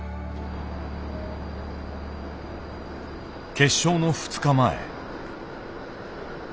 決勝の２日前。